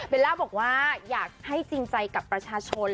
ล่าบอกว่าอยากให้จริงใจกับประชาชน